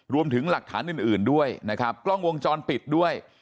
รวมถึงหลักฐานอื่นด้วยนะครับกล้องวงจรปิดด้วย